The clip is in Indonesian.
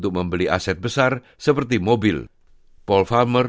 dengan pinjaman pribadi utama